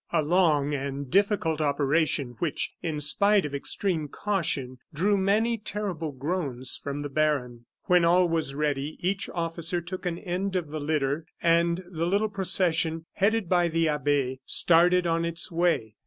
A long and difficult operation which, in spite of extreme caution, drew many terrible groans from the baron. When all was ready, each officer took an end of the litter, and the little procession, headed by the abbe, started on its way.